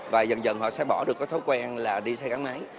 và dần dần họ sẽ bỏ được cái thói quen là đi xe gắn máy